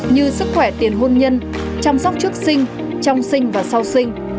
như sức khỏe tiền hôn nhân chăm sóc trước sinh trong sinh và sau sinh